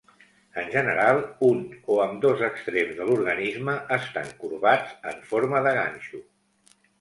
En general, un o ambdós extrems de l'organisme estan corbats en forma de ganxo.